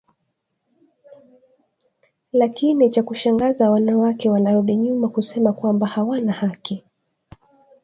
Lakini kya ku shangaza wana wake wana rudi nyuma kusema kwamba hawana na haki